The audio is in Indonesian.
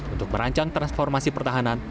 untuk merancang transformasi pertahanan